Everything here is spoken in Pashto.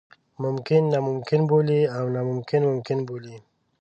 ممکن ناممکن بولي او ناممکن ممکن بولي.